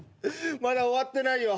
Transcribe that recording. まだ終わってないよ。